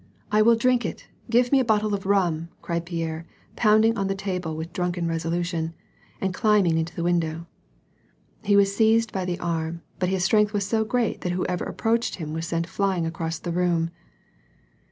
" I will drink it ; give me a bottle of rum," cried Pierre, pounding on the table with drunken resolution, and climbing into the window. He was seized by the arm, but his strength was so great that whoever approached him was sent flying across the room.